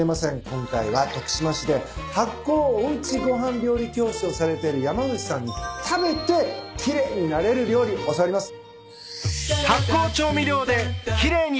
今回は徳島市で発酵おうちごはん料理教室をされている山口さんに食べて奇麗になれる料理教わります。